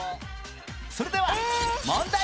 それでは問題